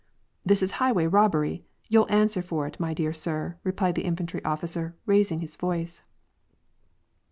" This is highway robbery. You'll answer for it, my dear sir," repeated the infantry officer, raising his voice.